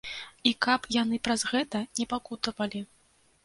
І каб яны праз гэта не пакутавалі.